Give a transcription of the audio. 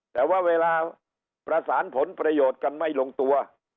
แต่ว่าเวลาประสานผลประโยชน์กันไม่ลงตัว